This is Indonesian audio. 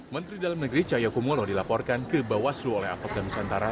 menteri dalam negeri cahyokumolo dilaporkan kebawaslu oleh afot dan nusantara